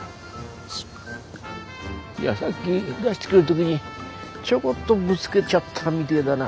いやさっき出してくる時にちょこっとぶつけちゃったみてえだな。